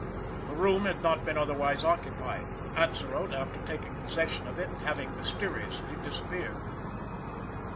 The room had not been otherwise occupied Atzerodt, after taking possession of it, having mysteriously disappeared.